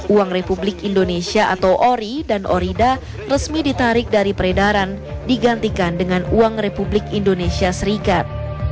uang republik indonesia atau ori dan orida resmi ditarik dari peredaran digantikan dengan uang republik indonesia serikat